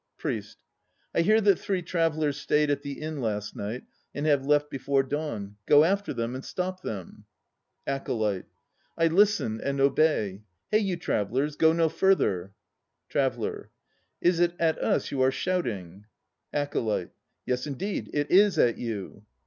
PRIEST. I hear that three travellers stayed at the Inn last night and have left before dawn. Go after them and stop them. ACOLYTE. I listen and obey. Hey, you travellers, go no further! TRAVELLER. Is it at us you are shouting? ACOLYTE. Yes, indeed it is at you.